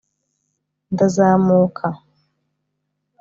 ndazamuka